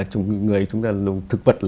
chủng người của chúng ta là thực vật